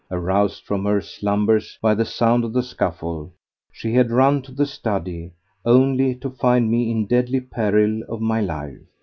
Aroused from her slumbers by the sound of the scuffle, she had run to the study, only to find me in deadly peril of my life.